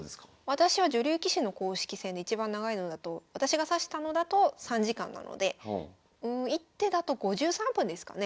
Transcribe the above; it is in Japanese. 私は女流棋士の公式戦でいちばん長いのだと私が指したのだと３時間なので１手だと５３分ですかね。